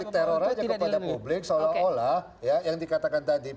ini mengunggah politik teror saja kepada publik seolah olah yang dikatakan tadi